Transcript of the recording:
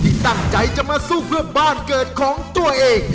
ตั้งใจจะมาสู้เพื่อบ้านเกิดของตัวเอง